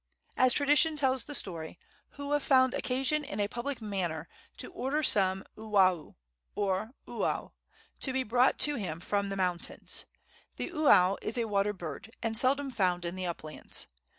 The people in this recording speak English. As tradition tells the story, Hua found occasion in a public manner to order some uwau, or uau, to be brought to him from the mountains. The uau is a water bird, and seldom found in the uplands.